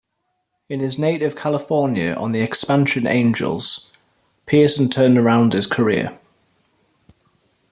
In his native California, on the expansion Angels, Pearson turned around his career.